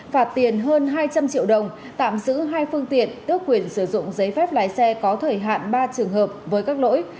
phạt tiền hơn hai trăm linh triệu đồng tạm giữ hai phương tiện tước quyền sử dụng giấy phép lái xe có thời hạn ba trường hợp với các lỗi